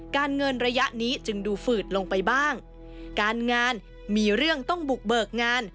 การเงินระยะนี้จึงดูฝืดลงไปบ้างการงานมีเรื่องต้องบุกเบิกงาน